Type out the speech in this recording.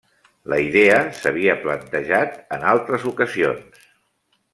La idea s'havia plantejat en altres ocasions.